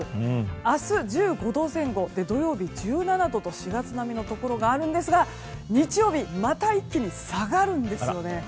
明日１５度前後土曜日は１７度と４月並みのところがありますが日曜日また一気に下がるんですよね。